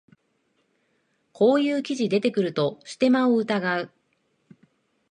こういう記事出てくるとステマを疑う